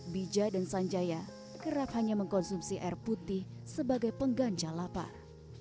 bija dan sanjaya kerap hanya mengkonsumsi air putih sebagai pengganca lapar